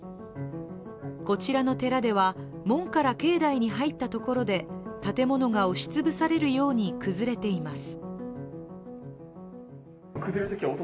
こちらの寺では門から境内に入ったところで建物が押し潰されるように崩れています。